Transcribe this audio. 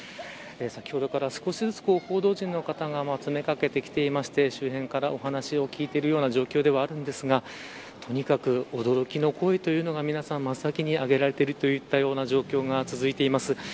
先ほどから少しずつ報道陣の方が詰めかけてきていまして周辺からお話を聞いている状況ですがとにかく驚きの声というのが皆さん、まっ先に挙げられているという状況が続いています。